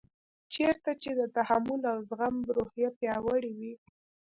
چېرته چې د تحمل او زغم روحیه پیاوړې وي.